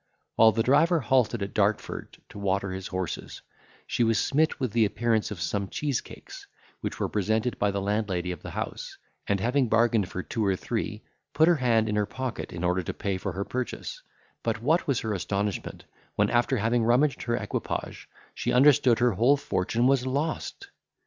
While the driver halted at Dartford to water his horses, she was smit with the appearance of some cheesecakes, which were presented by the landlady of the house, and having bargained for two or three, put her hand in her pocket, in order to pay for her purchase; but what was her astonishment, when, after having rummaged her equipage, she understood her whole fortune was lost!